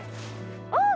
あっ！